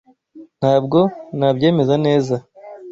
Ntabwo nabyemeza neza.